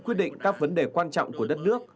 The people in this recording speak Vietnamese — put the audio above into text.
quyết định các vấn đề quan trọng của đất nước